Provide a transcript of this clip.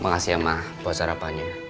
ma makasih ya ma buat sarapannya